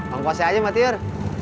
bang kuasa aja mbak tiur